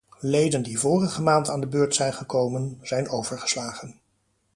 Leden die vorige maand aan de beurt zijn gekomen, zijn overgeslagen.